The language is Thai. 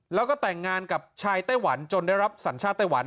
แล้วก็แต่งงานกับชายไต้หวันจนได้รับสัญชาติไต้หวัน